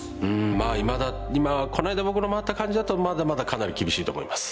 まあいまだこの間僕の回った感じだとまだまだかなり厳しいと思います。